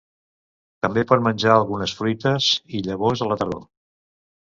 També pot menjar algunes fruites i llavors a la tardor.